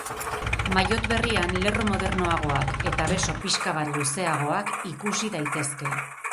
Maillot berrian lerro modernoagoak eta beso pixka bat luzeagoak ikusi daitezke.